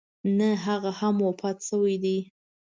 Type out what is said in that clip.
نه هغه هم وفات شوې ده.